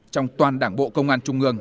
trong toàn đảng bộ công an trung ương